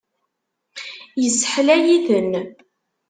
Isseḥlay-iten.